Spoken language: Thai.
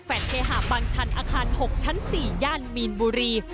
เคหะบางชันอาคาร๖ชั้น๔ย่านมีนบุรี